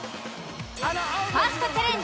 ファーストチャレンジ